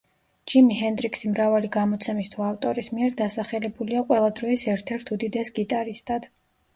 ჯიმი ჰენდრიქსი მრავალი გამოცემის თუ ავტორის მიერ დასახელებულია ყველა დროის ერთ-ერთ უდიდეს გიტარისტად.